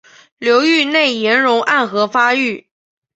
流域内岩溶暗河发育。